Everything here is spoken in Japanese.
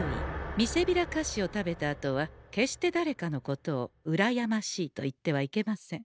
みせびら菓子を食べたあとは決してだれかのことを「うらやましい」と言ってはいけません。